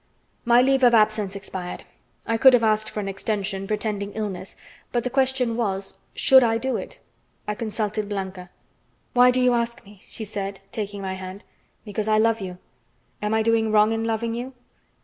My leave of absence expired. I could have asked for an extension, pretending illness, but the question was, should I do it? I consulted Blanca. "Why do you ask me?" she said, taking my hand. "Because I love you. Am I doing wrong in loving you?"